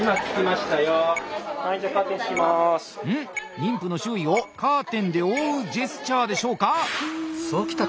妊婦の周囲をカーテンで覆うジェスチャーでしょうか？